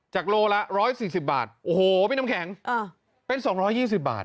โลละ๑๔๐บาทโอ้โหพี่น้ำแข็งเป็น๒๒๐บาท